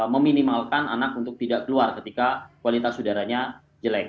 meminimalkan anak untuk tidak keluar ketika kualitas udaranya jelek